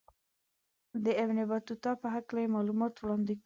د ابن بطوطه په هکله یې معلومات وړاندې کړل.